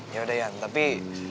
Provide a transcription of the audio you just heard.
yaudah yan tapi